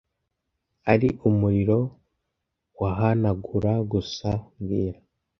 ari umuriro wohanagura gusa mbwira